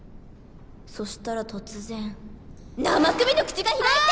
そしたら突然生首の口が開いて！